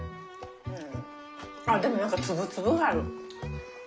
あっでも何か粒々がある。